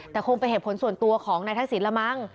แต่คงเป็นเหตุผลส่วนตัวของนายทักษิณละมั้ง